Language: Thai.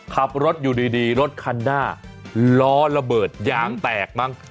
ขับรถอยู่ดีรถคันหน้าล้อระเบิดยางแตกมั้ง